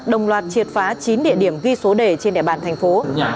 đồng loạt triệt phá chín địa điểm ghi số đề trên địa bàn thành phố